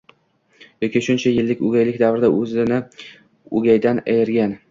yoki shuncha yillik o'gaylik davrida o'zni o'gaydan ayirgan